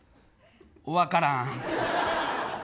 分からん。